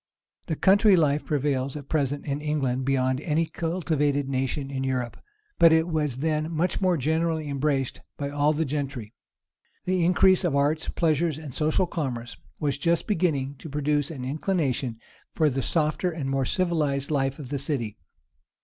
The country life prevails at present in England beyond any cultivated nation of Europe; but it was then much more generally embraced by all the gentry. The increase of arts, pleasures, and social commerce, was just beginning to produce an inclination for the softer and more civilized life of the city.